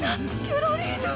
ケロリーヌ！